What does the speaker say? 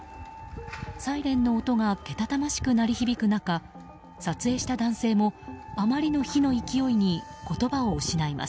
サイレンの音がけたたましく鳴り響く中撮影した男性もあまりの火の勢いに言葉を失います。